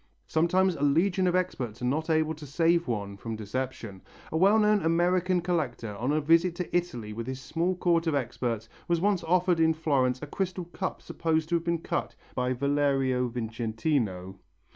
Sometimes a legion of experts are not able to save one from deception. A well known American collector on a visit to Italy with his small court of experts was once offered in Florence a crystal cup supposed to have been cut by Valerio Vicentino.